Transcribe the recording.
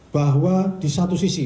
bahwa di satu sisi